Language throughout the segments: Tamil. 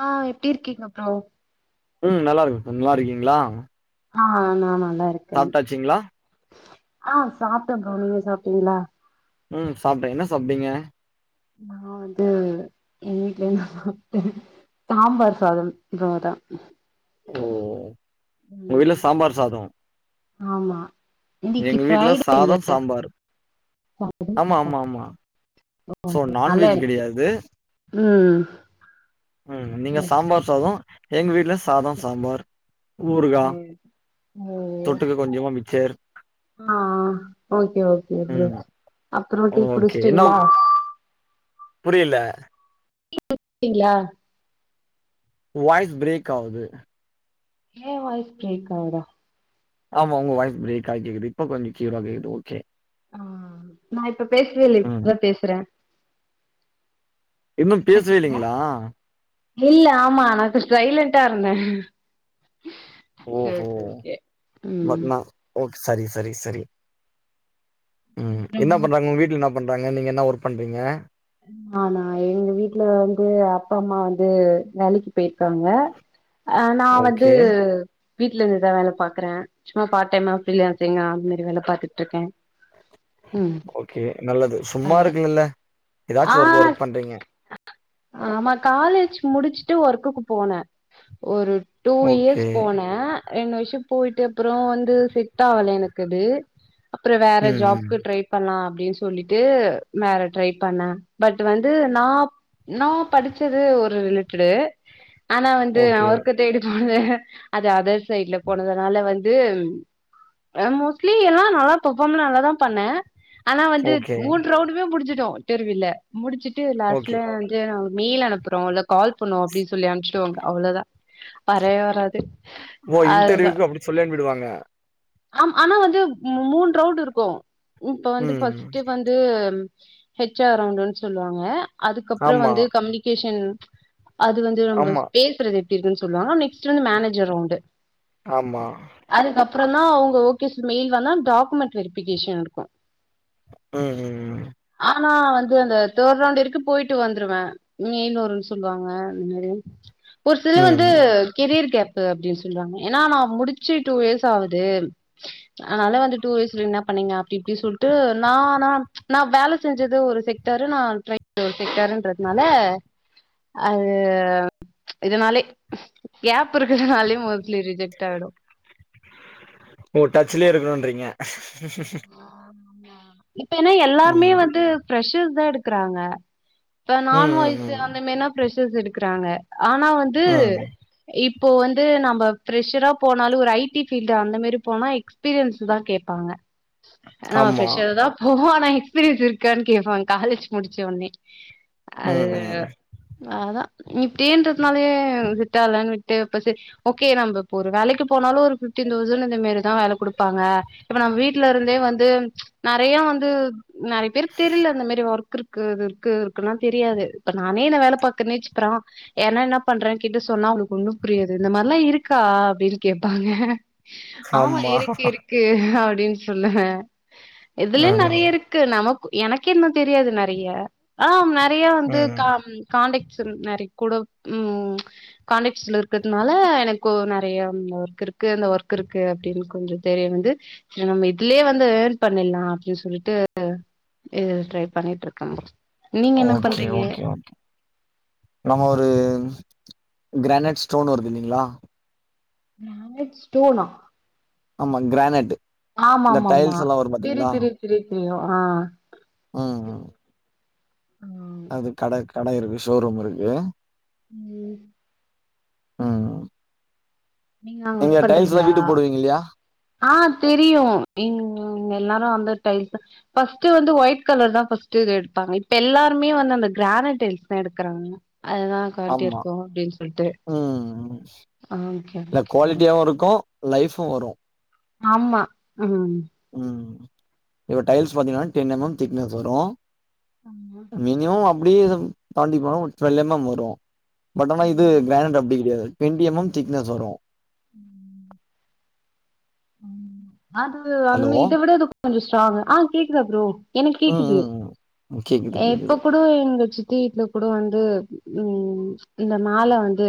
ஆ எப்டி இர்க்கீங்க ப்ரோ ம் நல்லாருக்க நல்லாருக்கீங்ளா ஆ நா நல்லாருக் சாப்டாச்சிங்ளா ஆ சாப்ட ப்ரோ நீங்க சாப்டீங்ளா ம் சாப்ட என்ன சாப்டீங்க நா வந்து எங்க வீட்ல சாப்ட சாம்பார் சாதம் இவளோதா ஓ ஒங்க வீட்ல சாம்பார் சாதோ ஆமா இன்னைக்கு எங்க வீட்ல ஃப்ரைடே இல்ல சாதோ சாம்பார் ஆமா ஆமா ஆமா சோ அதனால நான்வெஜ் இன்னைக்கு கெடையாது ம் ம் நீங்க சாம்பார் சாதோ எங்க வீட்ல சாதோ சாம்பார் ஊருகா ம் ம் தொட்டுக்க கொஞ்சமா மிச்சர் ஆ ஓகே ஓகே ஃப்ரோ ம் அப்றோ டீ குடிச்டீங்ளா புரியில்ல டீ குடிச்சீடீங்ளா வாய்ஸ் ப்ரேக் ஆவுது ஏ வாய்ஸ் ப்ரேக் ஆவ்தா ஆமா உங்க வாய்ஸ் ப்ரேக் ஆகி கேக்குது இப்போ கொஞ்சோ கியூர ஆ கேக்து ஓகே ஆ நா இப்ப பேசவே இல்ல இப்ப ம் தா பேசுறே இன்னு இப்ப கேக்குதா பேசவேல்லிங்ளா இல்ல ஆமா நா இப்ப சைலண்டா இருந்த ஓஹோ பட் நா ஓக் சரி சரி சரி ம் என்ன அப்றமா பண்றாங்க ஒங் வீட்லன்னா பண்றாங்க நீங்க என்ன ஒர்க் பண்றீங்க நானா எங்க வீட்ல வந்து அப்பா அம்மா வந்து வேலக்கி பேய்ர்க்காங்க அ நா வந்து ஓகே, வீட்ல இந்துதா வேல பாக்குற சும்மா பார்ட் டைமா பிரீ ஃலாஞ்சிங்கா அது மேரி வேல பாத்துட்ருக்கே ஓகே நல்லது சும்மா அதா இருக்கலல்ல ஆ எதாச்சு ஒர்க் ஒரு ஒர்க் பண்றீங்க ஆமா காலேஜ் முடிச்ட்டு ஒர்க்குக்கு போன ஒரு டூ இயர்ஸ் ஓகே. போன ரெண்டு வருஷோ போய்ட்டு அப்றோ வந்து ஃபிட்டாவால எனக்கது அப்றோ வேற ம், ம். ஜாப்கு ட்ரை பண்லா அப்டின் சொல்லிட்டு வேற ட்ரை பண்ண பட் வந்து நா நா படிச்சது ஒரு ரிலேட்டடு ஆனா வந்து நா ஓகே, ஒர்க்க தேடி போனது வந்து அது அதர் சைட்ல போனதுனால வந்து மோஸ்லி எல்லா நல்லா பெர்ஃபார்ம் நல்லா தா பண்ண ஆனா வந்து ஓகே, மூனு ரவுண்டுமே முடிச்சிட்டோ இன்டர்வியூல முடிச்சுட்டு ஓகே. லாஸ்ட்ல வந்து நாங்க மெயில் அனுப்றோ உங்ள கால் பண்வோ அப்டின்னு சொல்லி அனுச்சிடுவாங்க அவ்ளோதா வரயே வராது ஓ அதுதா இன்டர்வியூக்கு அப்டி சொல்லி அணுப்பிடுவாங்க ஆம் ஆனா வந்து மூண ரவுண்ட் இருக்கு இப்ப வந்து ம். ஃபர்ஸ்ட் வந் து ஹெச் ஆர் ரவுண்டுனு சொல்லுவாங்க அதுக்கப்பறோ ஆமா, வந்து கம்யூனிகேஷன் அது வந்து நம்ம ஆமா, பேசுறது எப்டி இருக்குன்னு சொல்லுவாங்க நெக்ஸ்ட் வந்து மேனேஜர் ரவுண்டு ஆமா. அதுக்கப்றோ தா அவுங்க ஓகே மெயில் வேணா டாக்குமெண்ட் வெரிபிகேஷன் இருக்கு ம் ம் ஆனா வந்து அந்த தேர்டு ரவுண்ட் வரிக்கு போயிட்டு வந்துருவே மெயில் வருன்னு சொல்லுவாங்க இது மேரி ஒரு ம். சிலர் ம். வந்து கெரியர் கேப் பு அப்டின்னு சொல்வாங்க ஏனா நா முடிச்சு டூ இயர்ஸ் ஆவுது அதனால வந்து டூ இயர்ஸ்ல என்ன பண்ணீங்க அப்டி இப்டினு சொல்ட்டு நா ஆனா நா வேல செஞ்சது ஒரு செக்டார் நா ட்ரை பன்றது ஒரு செக்டருன்றதுனால அது இதனாலே கேப் இருக்குறனாலியு மோஸ்ட்லி ரிஜெக்ட் ஆயிடு ஓ டச்லே இருக்குணுன்றீங்க இப்ப என்னா எல்லாருமே ம். வந்து ஃப்ரெஷஸர் தா எடுக்கறாங்க இப்ப ம், ம், நான்வாய்ஸு ம். அந்த மாரிலா ஃபிரஷர்ஸ் எடுக்கறாங்க ஆனா வந்து ம் இப்போ வந்து நம்ம ஃப்ரெஷரா போனாலு ஒரு ஐ டி ஃபீல்டு அந்த மாரி போனா எக்ஸ்பீரியன்ஸ் தா கேப்பாங்க ஆ ஆமா. ஃப்ரெஷ்ர்தா ப் போனா எக்ஸ்பீரியன்ஸ் இருக்கான்னு கேப்பாங்க காலேஜ் முடிச்ச ஒடனே அது ம், ம். அதா இப்டின்றதுனாலேயே செட்டாலேன்னு விட்டு இப்ப சரி ஓகே நம்ம இப்ப ஒரு வேலைக்கு போனாலு ஒரு ஃபிப்டீன் தௌசண்ட் இந்த மாரிதா வேல குடுப்பாங்க இப்ப நம்ம வீட் வீட்லேருந்தே வந்து நெறையா வந்து நெறைய பேருக்கு தெரில இந்த மாரி ஒர்க் இருக்கு இது இருக்குதுன்னா தெரியாது இப்ப நானே இந்த வேல பாக்கறனே வச்சுக்க யார்னா என்ன பண்றே கேட்டு சொன்னா அவுங்ளுக்கு ஒன்னும் புரியாது இந்த மாரிலா இருக்கா அப்டின்னு கேப்பாங்க ஆமா இருக்கு இருக்கு அப்டின்னு சொல்லுவ இதுலே ம், நெறைய இருக்கு நமக்கு எனக்கு இன்னு தெரியாது நெறையா ஆ நெறைய வந்து ம். கா காான்டக்ட்ஸ் நெறைய கூட காண்டக்ட்ஸ்ல இருக்றதுனால எனக்கு நெறைய ஒர்க் இருக்கு அந்த ஒர்க் இருக்கு அப்டின்னு கொஞ்ச தெரிய வந்து கெளம்பிப் இதுலே வந்து ஏர்ன் பண்ணிர்லா அப்டின்னு சொல்லிட்டு இது ட்ரை பண்ணிட்டு இருக்கேங்க நீங்க என்ன ஓகே, பண்றீங்க ஓகே, ஓகே. நம்ம ஒரு கிரானைட் ஸ்டோன் வருது இல்லிங்களா கிரானைட் ஸ்டோனா ஆமா கிரானைட்டு் ஆமா இந்த ஆமா ஆமா டைல்ஸெலா வரும் தெரியு பாத்தீங்களா தெரியு ம் ம். ஆ அது கட கடை இருக்கு ஷோரூம் இருக்கு ம் ம் நீங்க அங்க ஒர்க் டைல்ஸ்லா பண்றிங்களா வீட்டுக்கு போடுவீங்க இல்லையா? ஆ தெரியு எங் எல்லாரு அந்த டைல்ஸ் ப ஃபஸ்ட் வந்து ஒயிட் கலர் தா ஃபர்ஸ்ட் வந்து ஒயிட் கலர் தான் ஃபர்ஸ்ட் எடுப்பாங்க இப்ப எல்லாருமே வந்து அந்த கிரானட்டைல்ஸ் தா எடுக்றாங்க அதுதான் குவாலிட்டியா ஆமா. இருக்கும் அப்டின்னு சொல்லிட்டு ம் இல்ல ஓகே குவாலிட்டியாவு இருக்கும் லைஃபும் வரும் ஆமா ம் ம் இப்ப டைல்ஸ் பாத்தீங்கன்னா டென் எம் எம் திக்னஸ் வரும் ஆமா மினிமம் அப்டியே தாண்டி போனா ஒரு டூவெல் எம் எம் வரும் பட் ஆனா இது ம் கிரணைட் அப்படி கிடையாது டூவென்டி எம் எம் திக்னஸ் வரும் உம் [inaudible] அது அந் ஹலோ! இத விட அது கொஞ்சம் ஸ்ட்ராங்க் ஆ கேக்குதா புரோ எனக்கு ம், கேக்குது ம், ம். கேக்குது, கேக்குது. இப்ப கூட எங்க சித்தி வீட்ல கூட வந்து உம் இந்த மால வந்து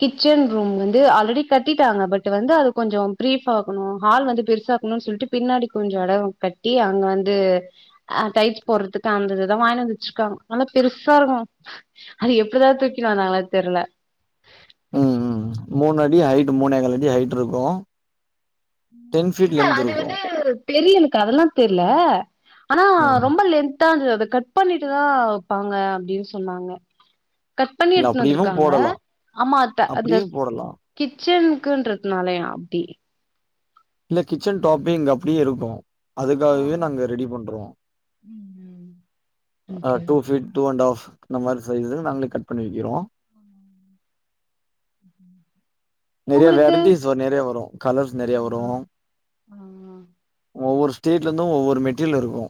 கிச்சன் ரூம் வந்து ஆல்ரெடி கட்டிட்டாங்க பட் வந்து அது கொஞ்சம் பிரீஃப் ஆக்ணும் ஹால் வந்து பெருசாக்கணுனு சொல்ட்டு பின்னாடி கொஞ்சோ இடம் கட்டி அங்க வந்து அ டயில்ஸ் போடுறதுக்கு அந்த இது தா வாங்கணும்னு வச்சிக்கோங்க நல்லா பெருசா இருக்கும் அது எப்படிதான் தூக்கி வந்தாங்ளோ தெரில ம் ம் மூணு அடி ஹைட் மூணே கால் அடி ஹைட் இருக்கும் டென் ஃபீட் இல்ல லென்த் அது இருக்கு வந்து பெரியலுக்கு அதுலா தெரில ஆனா ம் ரொம்ப லெந் தாது அத கட் பண்ணிட்டுதான் வப்பாங்க அப்டின்னு சொன்னாங்க கட் பண்ணி இல்ல எத்துனு அப்படியு வந்துருக்காங்க போடலா ஆமா அத்த அந்த அப்படியு போடலா கிச்சனுக்குன்றதுனாலோ அப்டி இல்ல கிச்சன் டாப்பிங் இங்க அப்டியே இருக்கு ஆ அதுக்காகவே நாங்க ரெடி பண்றோஅ ம் okay two okay feet two and half இந்த மாரி சைஸு நாங்ளே கட் பண்ணி வைக்கிறோ ம் நறைய வெரைடிஸ் சுவர் நெறைய வரு கலர்ஸ் நெறைய வரு ஆ ஆ ஒவ்வொரு ஸ்டேட்ல இருந்து ஒவ்வொரு மெட்டரியல் இருக்கு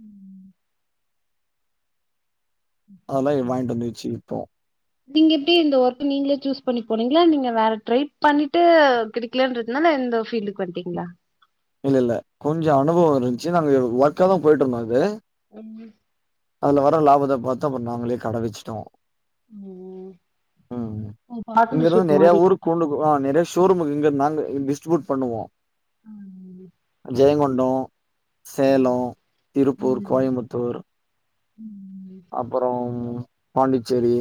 ம் அதெல்லா வாங்கிட்டு வந்து வச்சு விப்போ [inaudible] நீங்க எப்டி இந்த ஒர்க் நீங்ளே சூஸ் பண்ணி போனீங்ளா இல்ல நீங்க வேற ட்ரை பண்ணிட்டு கிடை க்குலன்றதுனால இந்த ஃபில்டுக்கு வந்தேங்ளா இல்ல இல்ல கொஞ்சோ அனுபவோ இருந்துச்சு நாங்க ஒர்க்க தா போயிட்டு இருந்தோ இது அம்மா அதுல வர லாபத்த பாத்து நாங்களே கட வச்சுடோ ம் உம் ஓ! இங்க இருந்து பார்ட்னர்ஷிப் நறையா மாரி ஊரு கூலுக்கு ஆ நறையா ஷோரூம்புக்கு இங்க நாங்க டிஸ்ட்ரிபூட் பண்ணுவோ அம்பு ஜெயங்கொண்டோ சேலோ ம் திருப்பூர் ம். கோயம்புத்தூர் ம். அப்ரோம் பாண்டிச்சேரி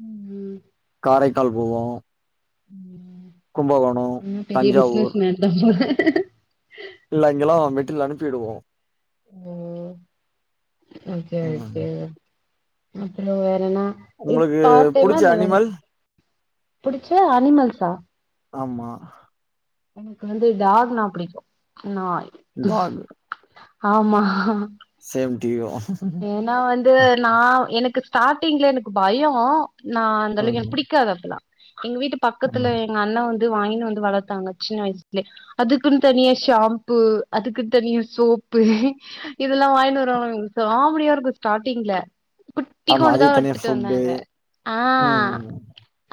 உம் காரைக்கால் போவோ ஆ பெரிய தஞ்சாவூர் பிசினஸ்மேன் தா போல இல்ல அங்கெல்லா மெட்டிரியல் அனுப்பிடுவோ ஓ ஓகே ம் ஓகே அப்புற வேறன்னா இப் உங்களுக்கு பாத்தென்ன புடிச்ச அந்த வேற அனிமல் புடிச்ச அனிமல்சா ஆமா எனக்கு வந்து டாக்னா புடிக்கு நாய் டாக் ஆமா சேம் டூ யூ ஏனா வந்து நா எனக்கு ஸ்டார்டிங்ல எனக்கு பயோ நா அந்த அளவுக்கு ம் எனக்கு பிடிக்காது அப்பெல்லா எங் வீட்டு பக்கத்தில ம் எங்க அண்ணா வந்து வாங்கின்னு வந்து வளர்த்தாங்க சின்ன வயசுலே அதுக்குன்னு தனியா ஷாம்பு அதுக்குன்னு தனியா சோப்பு இதெல்லா வாங்கிட்டு வருங்க காமெடியா இருக்கு ஸ்டாடில குட் டி ஆமா கொண்டு தா அதுக்கு தனியா வட்டுட்டு ஃபுட்டு வந்தாங்க ஆ ம் ம்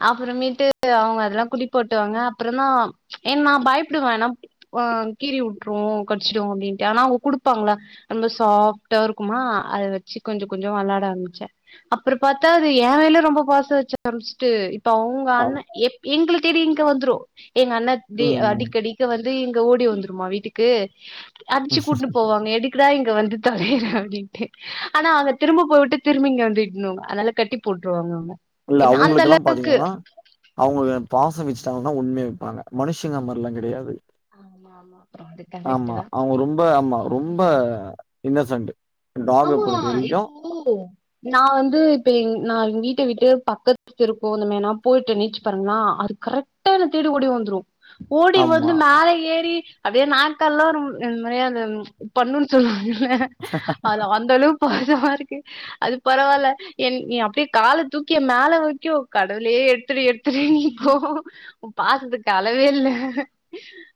அப்புறமேட்டு அவங்க அதெல்லா குளிபாடுவாங்க அப்புற தா என்மா பயப்புடுவேனம் ஓஅ கீறி விற்று கடிச்சிடு அப்டின்ட்டு ஆனா அவங்க குடுப்பாங்ள ரொம்ப சாப்டா இருக் குமா அத வச்சி கொஞ்சோ கொஞ்சோ விளாட ஆரம்பமிச்ச அப்புற பாத்தா அது ஏ மேல ரொம்ப பாசோ வச்ச ஆரம்பிச்சிட்டு இப் ப்ப டவுங்க ஆம் அண்ண எப் எங்கள தேடி இங்க வந்துரு எங்க அண்ணத் தே ம் அடிக்கடி இங்க வந்து இங்க ஓடி வந்துருமா வீட்டுக்கு அடிச்சி ம் கூட்டு போவாங்க எடு இங்க வந்து தொலைரார் அப்டின்ட்டு ஆனா அங்க திரும்ப போய்விட்டு திரும்பிங்க வந்திடுனு அதனால கட்டி போட்டுருவாங்க அவங்க புள்ள அந்த அவங்களுக்கெல்லா பாத்தீங்னா அவங்கள பாசம் வச்சிட்டாங்கனா உம்மியா இருப்பாங்க மனுஷங்க மாரிலா கெடையாது ஆமா ஆமா அப்புறோ அது கரெக்ட் ஆமா தா அவங்க ரொம்ப ஆமா ரொம்ப ம் இன்னசன்ட் ஆமா இப்போ நா வந்து இப்ப எங் நா எங்க வீட்ட விட்டு பக்கத்தெரு போனுமே நா போயிட்டு நீச்சு பாருங்களா அது கரெக்ட் ட்டா என தேடி ஓடி வந்துரு ஓடி ஆமா வந்து மேல ஏறி அதே நாயக்காலல்லா ஒரு இந்த மாதிரியா அது பண்ணுன் சொல்லவாங்க இல்ல ஹா ஹா ஹா அந்தளவுக் பாசமா இருக்கு அது பரவால்ல என் நீ அப்டியே கால தூக்கி எ மேல வரைக்கு கடவுளே எடுத்துடு எடு திருன்ருக்கு ஒ பாசதுக்கு அளவே இல்ல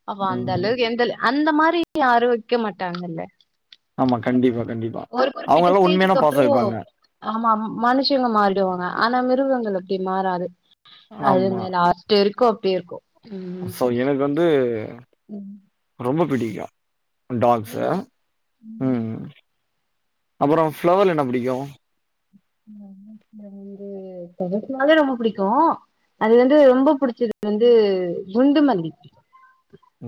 அப்ப அந்த ம். அளவுக் எந்தல் அந்த மாரி இப்ப யாரு வெக்க மாட்டாங்கல்ல ஆமா கண்டிப்பா கண்டிப்பா ஒரு அவங்க குறிப்பிட்ட எல்லா உண்மையானா ஸ்டேஜ்க்கு பாச அப்றோ வெப்பாங்க ஆமா மனுஷங்க மாறிடுவாங்க ஆனா மிருகங்கள் அப்டி மாறாது ஆமா. அதுங்க இப்டி இருக்கு அப்டி இருக்கு சோ எனக்கு வந்து உம் ரொம்ப பிடிக்கு டாக்ஸ்ச உம் உம் அப்பறோ ஃபளவர்ல என்ன பிடிக்கு ஃப்ளவர்ஸ்சுல வந்து ஃப்ளவர்ஸ்னாலே ரொம்ப புடிக்கு அது வந்து ரொம்ப புடிச்சது வந்து குண்டு மல்லி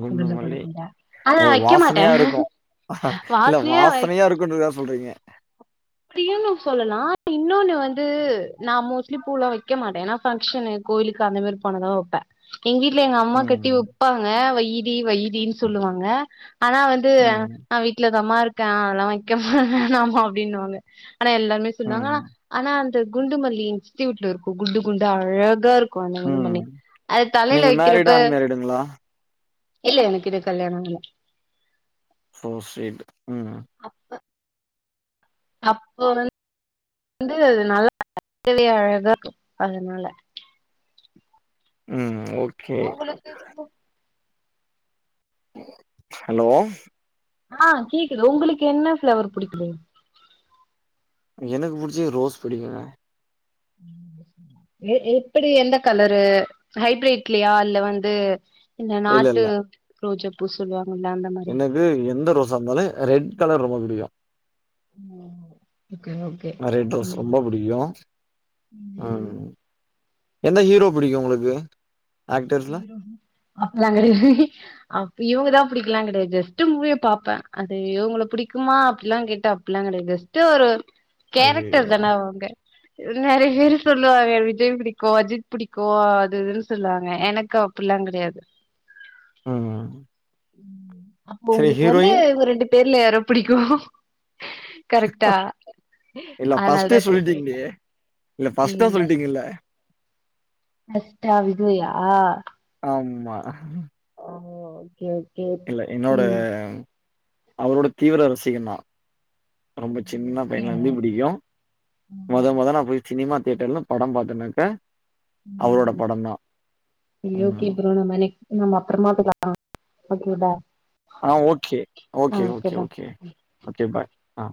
குண்டு மல்லி. அ ஓ! வெக்கமாட்டா வாசனையா இருக்கும். இல்ல வாசனையே [unintelligible] [unintelligible] சொல்றீங்க ப்டியுனு சொல்லலா இன்னொன்னு வந்து நா மோஸ்ட்லி பூலா வைக்க மாட்டே ஏன்னா ஃபங்க்ஷன்னு கோயிலுக்கு அந்த மாரி போனதா வெப்பே எங்க வீட்ல எங்க அம்மா கட்டி ம். வெப்பாங்க வையிடி வையிடினு சொல்லுவாங்க ஆனா வந்து ம். நா வீட்லதாம்மா இருக்கே அதெல்லா வெக்க வேணாமா அப்டினுவாங்க ஆனா எல்லாருமே சொல்வாங்க ம். ஆனா அந்த குண்டுமல்லி சுத்தியூட்டு இருக்கு குண்டு குண்டு அழகா இருக் கு அந்த ம். குண்டுமல்லி அது தலைல நீங்க வெக்கிறப்ப மேரிடா? அன்மேரிடுங்களா? இல்ல எனக் இன்னு கல்யாண ஆகல சோ சுவீட் உம் அப்போ வந் வந்து நல்லா [inaudible] அழகா [inaudible] அதனால உம் ஓகே [unintelligible] ஹலோ ஆ கேக்குது உங்குளுக் என்ன ஃப்ளேவர் புடிக்கு எனக்கு பிடிச்சது ரோஸ் பிடிக்குங்க [inaudible] எ எ எப்டி எந்த கலரு ஹைபிரிட்லையா இல்ல வந்து இல்ல நாட்டு ரோஜா பூ சொல்லுவாங்கல்ல அந்த மாரி து எந்த ரோசா இருந்தாலு ரெட் கலர் ரொம்ப புடிக்கு [inaudible] அ ரெட் ரோஸ் ம் ரொம்ப புடிக்கு அ ம் எந்த ஹீரோ புடிக்கு உங்குளுக்கு அப்ப நாங்க அப்ப இவங்கதா புடிக்லா கெடையாது ஜஸ்ட் மூவிய பாப்பே அது இவங்கள புடிக்குமா அப்டிலா கேட்டாப் அப்பில்லா கெடையாது ஜெஸ்ட்டு ஒரு கேரக்டர் ஐயையோ தானே அவுங்க நெறையா பேரு சொல்லுவாங்க விஜய் புடிக்கு அஜித் புடிக்கு அது இதுன்னு சொல்லவாங் க எனக்கு அப்பில்லா கெடையாது ம் அப்போ சரி உங்களுக்கு வந்து ஹீரோயின் இவுங்க ரெண்டு பேர்ல யார பிடிக்கு கரெக்டா இல்ல ஃபர்ஸ்ட்டே அதனாலதா கேட்டே சொல்லிட்டீங்களே இல்ல ஃபர்ஸ்ட்டா ம் சொல்லிட்டீங்கல்ல ஃபஸ்ட்டா விஜய்யா ஆமா ஓ ஓகே ஓகே இல்ல என்னோட ம் அவரோட தீவிர ரசிகன் நா ரொம்ப சின்ன விஜயா. பையன்லருந்தே புடிக்கு மொத ம் மொத நா போய் சினிமா தேட்டர்ல படம் பாத்தேனாக்க ம் செரி ஓகே ம் ப்ரோ நம்ம நெக் நம்ம அப்பறமா [unintelligible] ஒகே பாய் ஆ ஓகே ஓகே ஆ okay bye okay okay bye ஆ